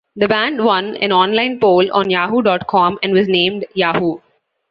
The band won an online poll on Yahoo dot com and was named Yahoo!